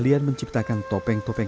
di bodi tauya kapis tautan